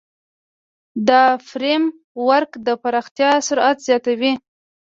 دا فریم ورک د پراختیا سرعت زیاتوي.